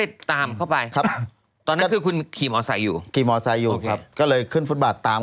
เออไปเปลี่ยนเสื้อผ้า